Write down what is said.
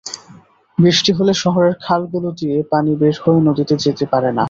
বৃষ্টি হলে শহরের খালগুলো দিয়ে পানি বের হয়ে নদীতে যেতে পারে না।